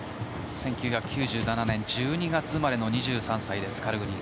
１９９７年１２月生まれの２３歳です、カルグニン。